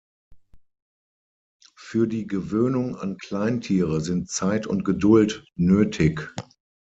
Für die Gewöhnung an Kleintiere sind Zeit und Geduld nötig.